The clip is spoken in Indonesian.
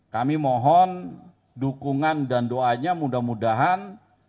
kami mohon dukungan dan doanya mudah mudahan